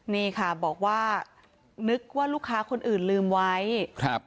นี่ค่ะบอกว่านึกว่าลูกค้าคนอื่นลืมไว้ครับ